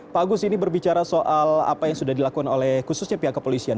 pak agus ini berbicara soal apa yang sudah dilakukan oleh khususnya pihak kepolisian